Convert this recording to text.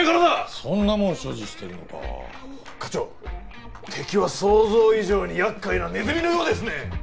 そんなもん所持してるのか課長敵は想像以上に厄介なネズミのようですね